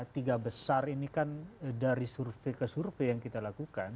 tiga besar ini kan dari survei ke survei yang kita lakukan